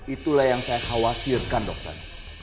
itulah yang saya khawatirkan dokter